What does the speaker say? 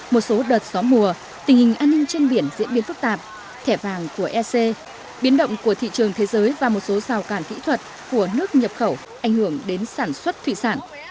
một số đợt gió mùa tình hình an ninh trên biển diễn biến phức tạp thẻ vàng của ec biến động của thị trường thế giới và một số rào càn kỹ thuật của nước nhập khẩu ảnh hưởng đến sản xuất thủy sản